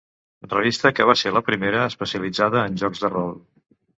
Revista que va ser la primera especialitzada en jocs de rol.